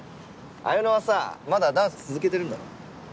あやのはさまだダンス続けてるんだろ？